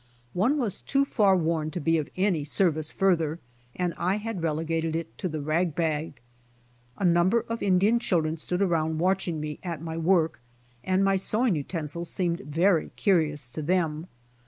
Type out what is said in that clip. One was too far worn to be of any service further, and I had relegated it to the rag bag. A number of Indian children stood around watching me at my work, and my sewing utensils seemed very curious to them.